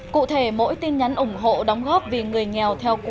cụ thể mỗi tin nhắn ủng hộ đóng góp vì người nghèo